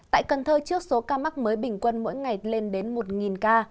tại cần thơ trước số ca mắc mới bình quân mỗi ngày lên đến một ca